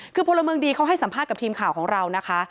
คือพลเมืองดีเขาให้สัมภาษณ์กับทีมข่าวของเรานะคะ